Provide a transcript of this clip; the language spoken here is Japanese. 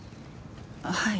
はい。